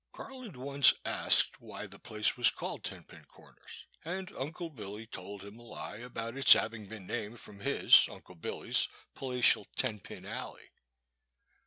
Garland once asked why the place 232 The Boy^s Sister. was called Ten Pin Comers, and Unde Billy told him a lie about its having been named from his, Uncle Billy's, palatial ten pin alley.